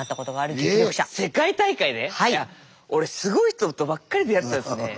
じゃ俺すごい人とばっかり出会ったんすね。